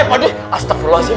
eh pak de astagfirullah siap